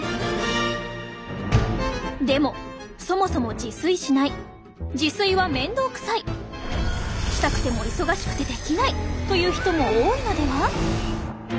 でもそもそも自炊しない自炊は面倒くさいしたくても忙しくてできないという人も多いのでは？